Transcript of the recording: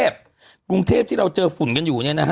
กรุงเทพที่เราเจอฝุ่นกันอยู่